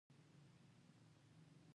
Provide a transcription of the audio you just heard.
زړه مې غوښتل چې چيغه وکړم.